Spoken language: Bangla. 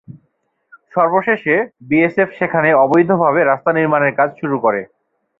সর্বশেষে বিএসএফ সেখানে অবৈধভাবে রাস্তা নির্মাণের কাজ শুরু করে।